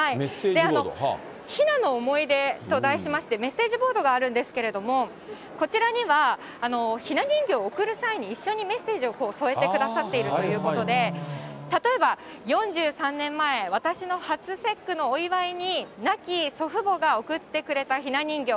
ひなの思い出と題しまして、メッセージボードがあるんですけれども、こちらには、ひな人形を送る際に、一緒にメッセージを添えてくださっているということで、例えば、４３年前、私の初節句のお祝いに、亡き祖父母が贈ってくれたひな人形。